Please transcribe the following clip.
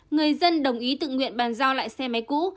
người dân đồng ý tự nguyện bàn giao lại xe máy cũ